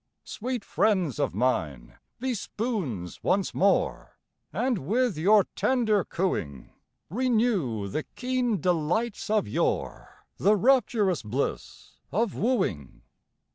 Sweet friends of mine, be spoons once more, And with your tender cooing Renew the keen delights of yore The rapturous bliss of wooing.